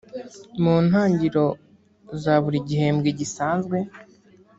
mu ntangiriro za buri gihembwe gisanzwe